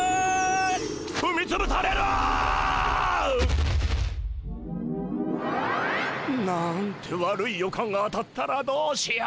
ふみつぶされる！なんて悪い予感が当たったらどうしよう。